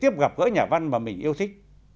mà họ yêu thích